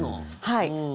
はい。